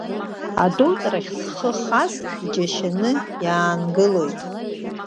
Адәылҵрахь зхы хаз иџьашьаны иаангылоит.